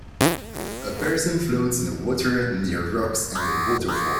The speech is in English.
A person floats in water near rocks and a waterfall.